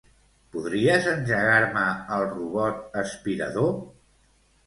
Podries engegar-me el robot aspirador?